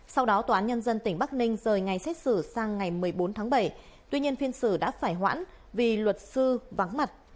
sau đó tòa án nhân dân tỉnh bắc ninh rời ngày xét xử sang ngày một mươi bốn tháng bảy tuy nhiên phiên xử đã phải hoãn vì luật sư vắng mặt